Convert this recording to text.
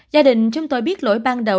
gia đình chúng tôi biết lỗi ban đầu